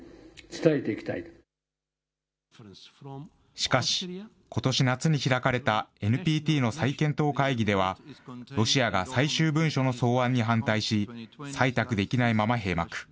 しかし、ことし夏に開かれたＮＰＴの再検討会議では、ロシアが最終文書の草案に反対し、採択できないまま閉幕。